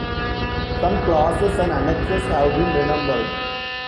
Some clauses and annexes have been renumbered.